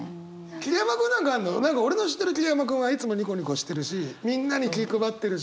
桐山君なんか俺の知ってる桐山君はいつもニコニコしてるしみんなに気配ってるし。